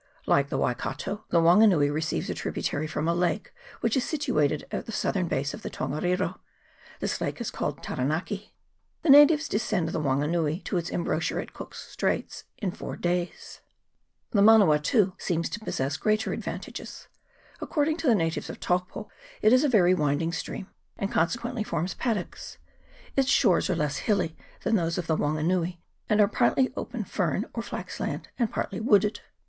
Like the Waikato, the Wanganui receives a tributary from a lake which is situated at the southern base of Tongariro : this lake is called Taranaki. The natives descend the Wanganui to its embouchure at Cook's Straits in four days. The Manawatu seems to possess greater advan tages. According to the natives of Taupo it is a very winding stream, and consequently forms pad CHAP. XXIV.] PUMICESTONE CLIFFS. 359 docks. Its shores are less hilly than those of the Wanganui, and are partly open fern or flax land, and partly wooded.